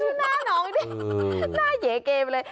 หนูหน้าน้องนี่หน้าเยเกมเลย